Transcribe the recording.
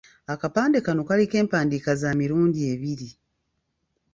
Akapande kano kaliko empandiika za mirundi ebiri.